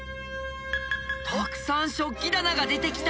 たくさん食器棚が出てきた。